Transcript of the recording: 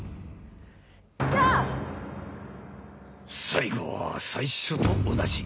最後は最初と同じ。